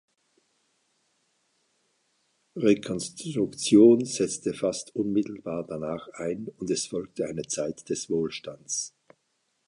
Reconstruction setzte fast unmittelbar danach ein, und es folgte eine Zeit des Wohlstands.